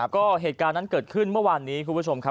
ก็เหตุการณ์นั้นเกิดขึ้นเมื่อวานนี้คุณผู้ชมครับ